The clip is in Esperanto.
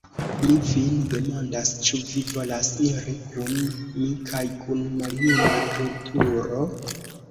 Mi vin demandas, ĉu vi volas iri kun mi kaj kun maljuna Vulturo?